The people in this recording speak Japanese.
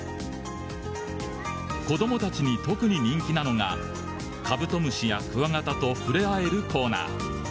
子供たちに特に人気なのがカブトムシやクワガタと触れ合えるコーナー。